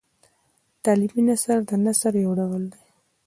تعلیمي نثر د نثر یو ډول دﺉ.